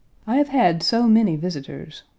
I have had so many visitors. Mr.